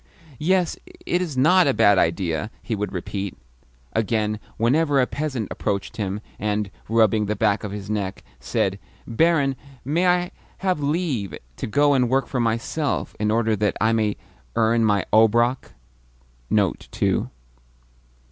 "Yes, it is NOT a bad idea," he would repeat. Again, whenever a peasant approached him and, rubbing the back of his neck, said "Barin, may I have leave to go and work for myself, in order that I may earn my obrok ?"